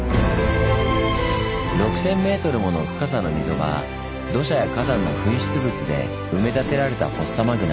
６，０００ｍもの深さの溝が土砂や火山の噴出物で埋め立てられたフォッサマグナ。